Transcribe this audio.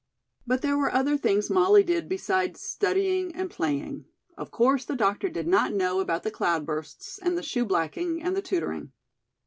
But there were other things Molly did beside studying and playing. Of course the doctor did not know about the "cloud bursts" and the shoe blacking and the tutoring.